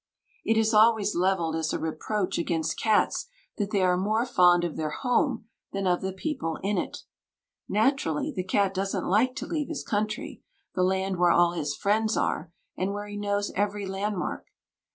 It is always levelled as a reproach against cats that they are more fond of their home than of the people in it. Naturally, the cat doesn't like to leave his country, the land where all his friends are, and where he knows every landmark.